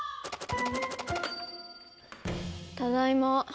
ただいま。